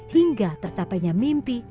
hingga tercapainya mimpi